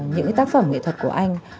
những tác phẩm nghệ thuật của anh